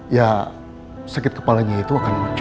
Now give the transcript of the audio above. ya sakit kepalanya itu akan